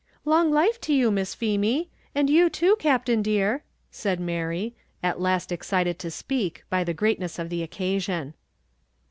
"Long life to you, Miss Feemy! and you, too, Captain dear," said Mary, at last excited to speak by the greatness of the occasion.